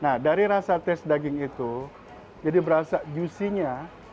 nah dari rasa tes daging itu jadi berasa juicinya